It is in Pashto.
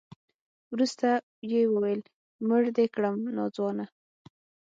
وروسته يې وويل مړ دې کړم ناځوانه.